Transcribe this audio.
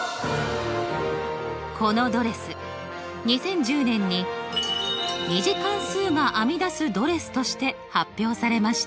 このドレス２０１０年に２次関数があみだすドレスとして発表されました。